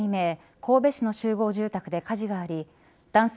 神戸市の集合住宅で火事があり男性